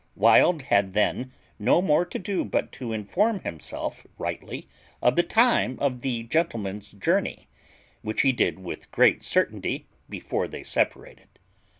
Wild had then no more to do but to inform himself rightly of the time of the gentleman's journey, which he did with great certainty before they separated.